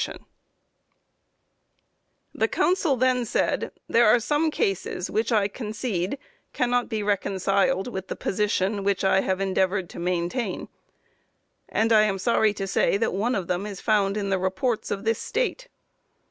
_] The counsel then said, there are some cases which I concede cannot be reconciled with the position which I have endeavoured to maintain, and I am sorry to say that one of them is found in the reports of this State.